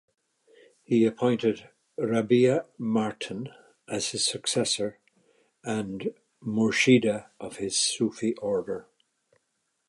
He appointed Rabia Martin as his successor and Murshida of his Sufi Order.